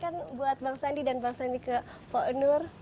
saya akan buat bang sandi dan bang sandi ke pak nur